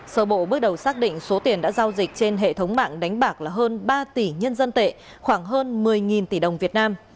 sở bộ bước đầu xác định số tiền đã giao dịch trên hệ thống mạng đánh bạc là hơn ba tỷ nhân dân tệ khoảng hơn một mươi tỷ đồng việt nam